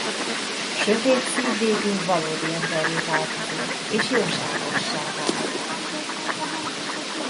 Sötét szív végül valódi emberré változik és jóságossá váll.